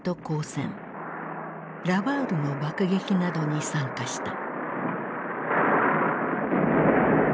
ラバウルの爆撃などに参加した。